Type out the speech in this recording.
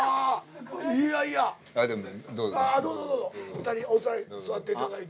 ２人座っていただいて。